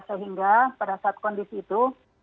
sehingga pada saat kondisi itu